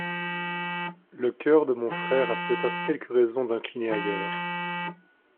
Le cœur de mon frère a peut-être quelques raisons d'incliner ailleurs.